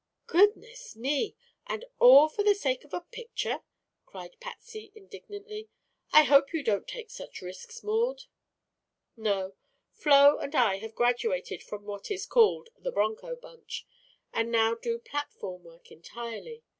"Goodness me! And all for the sake of a picture?" cried Patsy indignantly. "I hope you don't take such risks, Maud." "No; Flo and I have graduated from what is called 'the bronco bunch,' and now do platform work entirely.